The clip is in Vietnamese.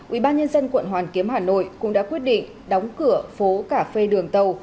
ubnd quận hoàn kiếm hà nội cũng đã quyết định đóng cửa phố cà phê đường tàu